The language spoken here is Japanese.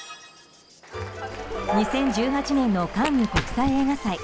２０１８年のカンヌ国際映画祭。